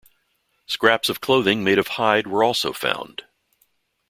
Scraps of clothing made of hide were also found.